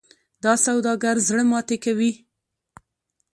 دا سوداګر زړه ماتې کوي.